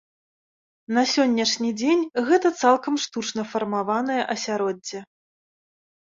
На сённяшні дзень гэта цалкам штучна фармаванае асяроддзе.